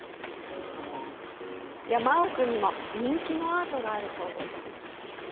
山奥にも人気のアートがあるそうです。